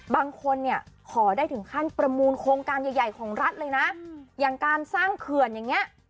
บางคนเนี่ยขอได้ถึงขั้นประมูลโครงการใหญ่ของรัฐเลยนะอย่างการสร้างเขื่อนอย่างนี้